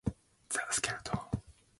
The skeleton costume was slightly altered.